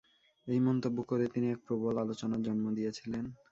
এই মন্তব্য করে তিনি এক প্রবল আলোচনার জন্ম দিয়েছিলেন।